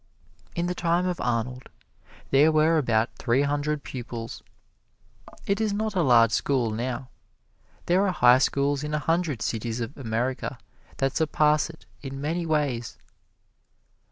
In the time of Arnold there were about three hundred pupils. It is not a large school now; there are high schools in a hundred cities of America that surpass it in many ways.